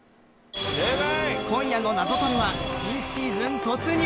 今夜の「ナゾトレ」は新シーズン突入。